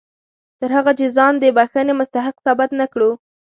تر هغه چې ځان د بښنې مستحق ثابت نه کړو.